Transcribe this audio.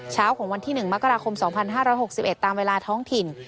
เช้าของวันที่๑มกราคม๒๕๖๑ตามเวลาท้องถิ่น